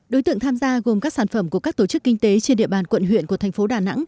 đối tượng tham gia gồm các sản phẩm của các tổ chức kinh tế trên địa bàn quận huyện của thành phố đà nẵng